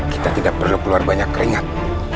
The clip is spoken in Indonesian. kita tidak perlu keluar banyak keringat